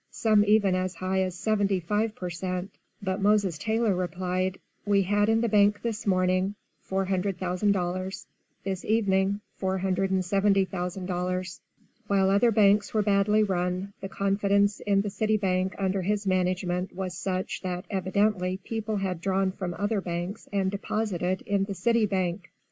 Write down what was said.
some even as high as seventy five per cent. but Moses Taylor replied, "We had in the bank this morning, $400,000; this evening, $470,000." While other banks were badly 'run,' the confidence in the City Bank under his management was such that evidently people had drawn from other banks and deposited in the City Bank.